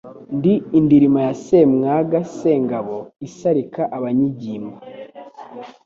Ndi indirima ya Semwaga Sengabo isarika abanyigimba